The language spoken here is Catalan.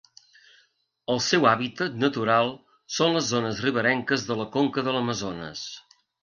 El seu hàbitat natural són les zones riberenques de la conca de l'Amazones.